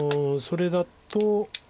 それだと。